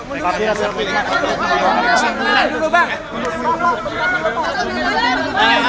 rekayasa milik kita yang sangat berharga